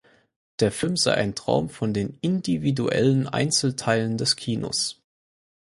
Der Film sei ein „Traum von den individuellen Einzelteilen des Kinos“.